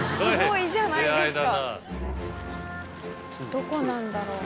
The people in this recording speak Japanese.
どこなんだろう。